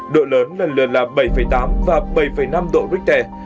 độ lớn lần lượt là bảy tám và bảy năm độ richter